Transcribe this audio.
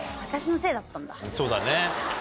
そうだね。